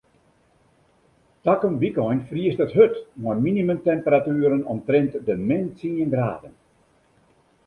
Takom wykein friest it hurd mei minimumtemperatueren omtrint de min tsien graden.